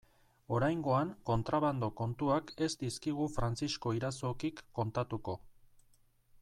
Oraingoan kontrabando kontuak ez dizkigu Frantzisko Irazokik kontatuko.